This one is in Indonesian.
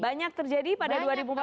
banyak terjadi pada dua ribu empat belas